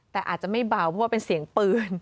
แต่อาจจะไม่เบาเพราะว่าเป็นเสียงปืน